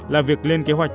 là việc lên kế hoạch